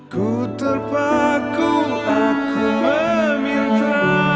ku terpaku aku meminta